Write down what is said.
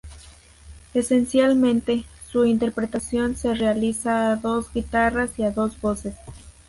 Esencialmente, su interpretación se realiza a dos guitarras y a dos voces.